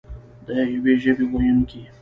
د یوې ژبې ویونکي.